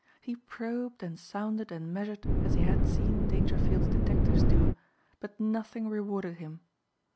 He probed and sounded and measured as he had seen Dangerfield's detectives do but nothing rewarded him.